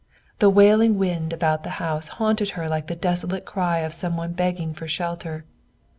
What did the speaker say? The wailing wind about the house haunted her like the desolate cry of some one begging for shelter.